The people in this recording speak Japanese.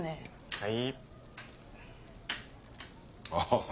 はい。